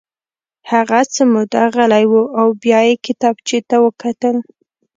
هغه څه موده غلی و او بیا یې کتابچې ته وکتل